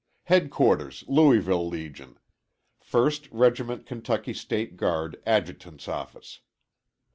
HEADQUARTERS LOUISVILLE LEGION. FIRST REG. KY. STATE GUARD, ADJUTANT'S OFFICE.